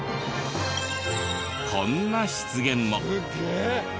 こんな湿原も。